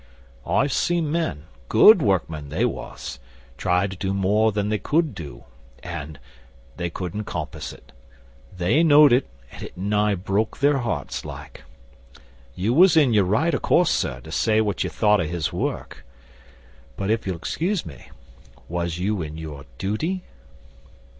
I've seen men good workmen they was try to do more than they could do, and and they couldn't compass it. They knowed it, and it nigh broke their hearts like. You was in your right, o' course, sir, to say what you thought o' his work; but if you'll excuse me, was you in your duty?